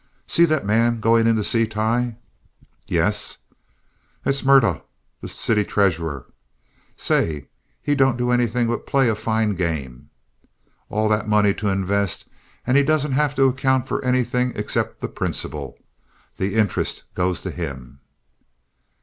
"See that man going in to see Tighe?" "Yes." "That's Murtagh, the city treasurer. Say, he don't do anything but play a fine game. All that money to invest, and he don't have to account for anything except the principal. The interest goes to him."